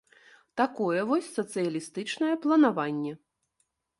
Такое вось сацыялістычнае планаванне.